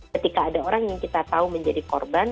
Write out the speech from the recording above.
ketika ada orang yang kita tahu menjadi korban